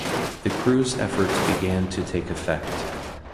The crew's efforts began to take effect.